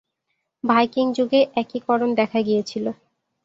Viking যুগে একীকরণ দেখা গিয়েছিল।